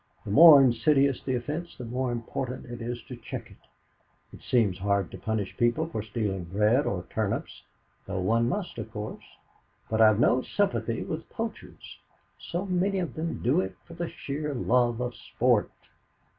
The more insidious the offence the more important it is to check it. It seems hard to punish people for stealing bread or turnips, though one must, of course; but I've no sympathy with poachers. So many of them do it for sheer love of sport!"